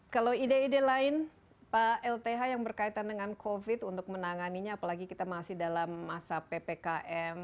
kalau ide ide lain pak lth yang berkaitan dengan covid untuk menanganinya apalagi kita masih dalam masa ppkm